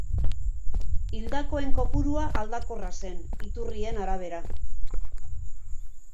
Hildakoen kopurua aldakorra zen, iturrien arabera.